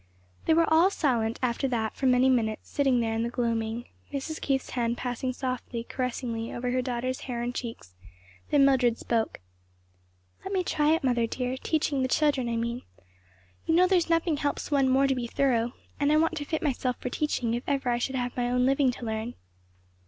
They were all silent after that for many minutes, sitting there in the gloaming; Mrs. Keith's hand passing softly, caressingly over her daughter's hair and cheeks; then Mildred spoke. "Let me try it, mother dear; teaching the children, I mean. You know there is nothing helps one more to be thorough; and I want to fit myself for teaching if ever I should have my own living to earn."